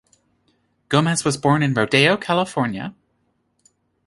Gomez was born in Rodeo, California.